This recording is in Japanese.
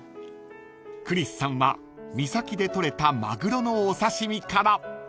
［クリスさんは三崎でとれたマグロのお刺し身から］